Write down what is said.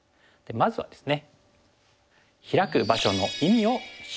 まずはですね。